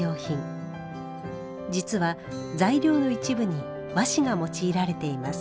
実は材料の一部に和紙が用いられています。